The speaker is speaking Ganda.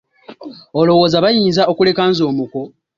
Olowooza bayinza okuleka nze omuko?